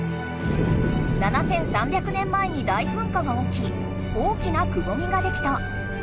７，３００年前に大ふんかがおき大きなくぼみができた。